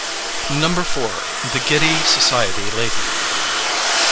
_) No. IV. THE GIDDY SOCIETY LADY.